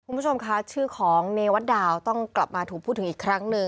คุณผู้ชมค่ะชื่อของเนวัตดาวต้องกลับมาถูกพูดถึงอีกครั้งหนึ่ง